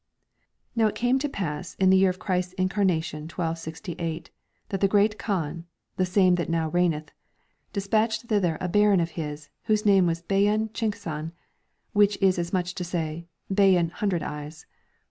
^ Now it came to pass, in the year of Christ's incarnation, 1268, that the Great Kaan, the same that now reigneth, despatched thither a Baron of his whose name was Bay an Chincsan, which is as much as to say "Bayan Hundred Eyes."